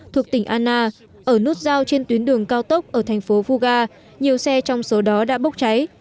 thuộc tỉnh anna ở nút giao trên tuyến đường cao tốc ở thành phố vuga nhiều xe trong số đó đã bốc cháy